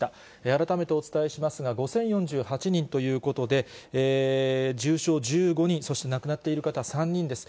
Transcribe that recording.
改めてお伝えしますが、５０４８人ということで、重症１５人、そして亡くなっている方、３人です。